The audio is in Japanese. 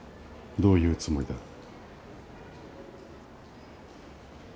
どういうつもりだ。